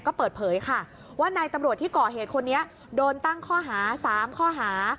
ก็เปิดเผยค่ะว่านายตำรวจที่ก่อเหตุคนนี้โดนตั้งข้อหา๓ข้อหา